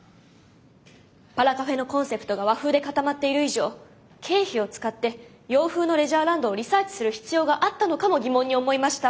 パラカフェのコンセプトが和風で固まっている以上経費を使って洋風のレジャーランドをリサーチする必要があったのかも疑問に思いました。